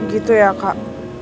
begitu ya kak